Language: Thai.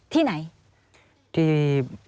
ที่ไหนที่